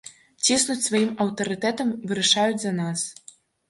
Ціснуць сваім аўтарытэтам, вырашаюць за нас.